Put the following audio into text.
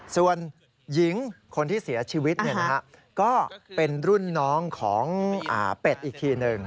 ส่วนหญิงคนที่เสียชีวิตก็เป็นรุ่นน้องของเป็ดอีกทีหนึ่ง